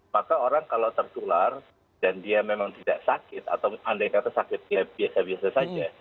maka orang kalau tertular dan dia memang tidak sakit atau andai kata sakit biasa biasa saja